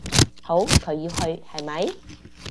好，佢要去，係咪？